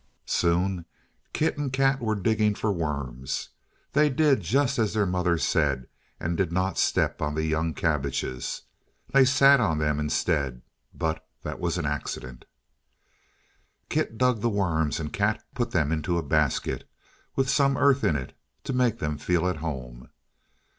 Soon Kit and Kat were digging for worms. They did just as their mother said, and did not step on the young cabbages. They sat on them, instead. But that was an accident. Kit dug the worms, and Kat put them into a basket, with some earth in it to make them feel at home.